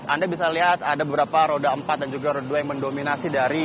anda bisa lihat ada beberapa roda empat dan juga roda dua yang mendominasi dari